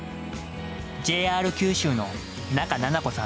ＪＲ九州の仲菜奈子さん